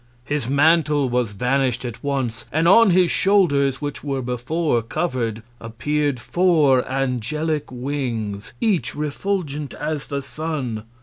His Mantle was vanish'd at once; and on his Shoulders, which were before cover'd, appear'd four angelic Wings, each refulgent as the Sun.